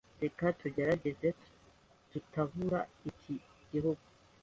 Reka tugerageze kutabura muri iki gihu.